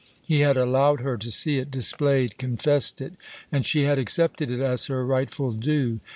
He had allowed her to see it, displayed, confessed it; and she had accepted it as her rightful due.